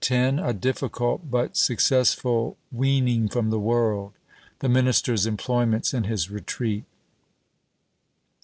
— A difficult, but successful, weaning from the world. The minister 's employments in his retreat.